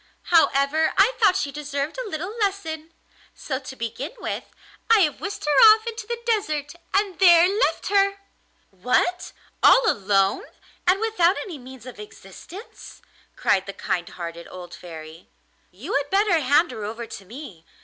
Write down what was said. However, I thought she deserved a little lesson, so to begin with I have whisked her off into the desert, and there left her!' 'What! all alone, and without any means of existence?' cried the kind hearted old Fairy. 'You had better hand her over to me.